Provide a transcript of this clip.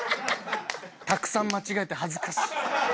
たくさん間違えて恥ずかしい。